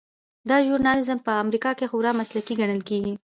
دا ژورنال په امریکا کې خورا مسلکي ګڼل کیږي.